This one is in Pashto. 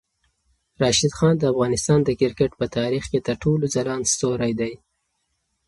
راشد خان د افغانستان د کرکټ په تاریخ کې تر ټولو ځلاند ستوری دی.